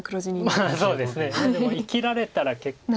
いやでも生きられたら結構。